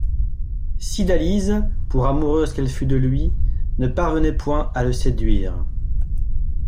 Cydalise, pour amoureuse qu'elle fût de lui, ne parvenait point à le séduire.